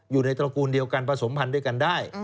อยู่ในตระกูลเดียวกันผสมพันธุ์ด้วยกันได้